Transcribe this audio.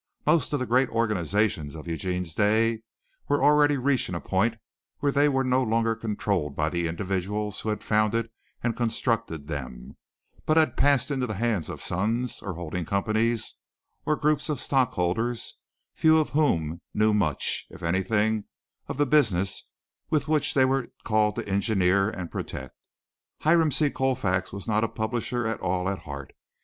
Most of the great organizations of Eugene's day were already reaching a point where they were no longer controlled by the individuals who had founded and constructed them, but had passed into the hands of sons or holding companies, or groups of stockholders, few of whom knew much, if anything, of the businesses which they were called to engineer and protect. Hiram C. Colfax was not a publisher at all at heart.